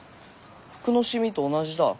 服のシミと同じだ。